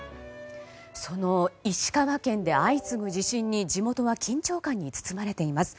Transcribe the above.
その石川県で相次ぐ地震に地元は緊張感に包まれています。